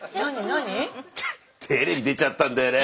何？テレビ出ちゃったんだよね。